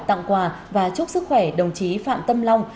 tặng quà và chúc sức khỏe đồng chí phạm tâm long